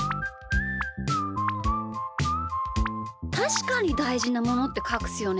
たしかにだいじなものってかくすよね。